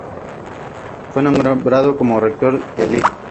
Fue nombrado como Rector el Lic.